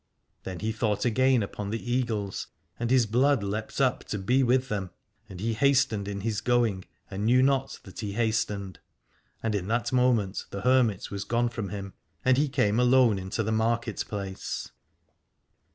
Then he thought again upon the Eagles and his blood leapt up to be with them, and he hastened in his going and knew not that he hastened. And in that moment the hermit was gone from him, and he came alone into the market place.